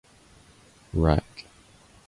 Rec.